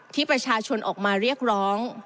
ที่ประชาชนออกมาเรียกร้อง